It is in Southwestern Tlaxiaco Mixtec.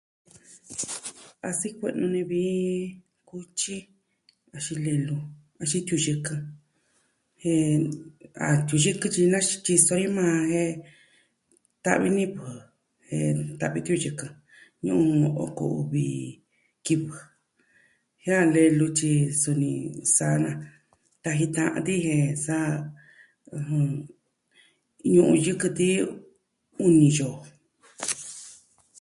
A sikuaa nuu ni vi kutyi axin lelu axin tɨyɨkɨ jen a tɨyɨkɨ tyi kisɨ ni maa jen ta'vi nivɨ jen nta'vi tɨyɨkɨ nuu oko uvi kivɨ. jen a lelu tyi, suni sa'a na taji tan an tike sa ini yuku ti uni yoo.